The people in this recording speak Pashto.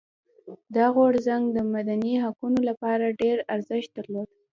دا غورځنګ د مدني حقونو لپاره ډېر ارزښت درلود.